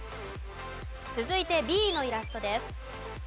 続いてＢのイラストです。